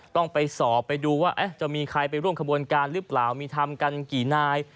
ต้องไปสอบไปดูว่าจะมีใครไปร่วมขบวนการหรือเปล่ามีทำกันกี่นาย